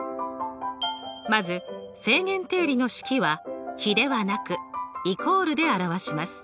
まず正弦定理の式は比ではなくイコールで表します。